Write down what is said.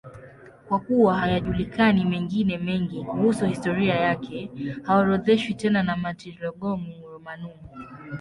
Kwa kuwa hayajulikani mengine mengi kuhusu historia yake, haorodheshwi tena na Martyrologium Romanum.